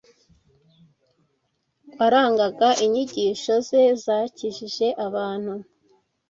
warangaga inyigisho ze zakijije abantu,